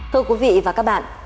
thưa quý vị và các bạn